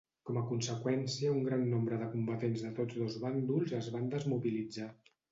Com a conseqüència un gran nombre de combatents de tots dos bàndols es van desmobilitzar.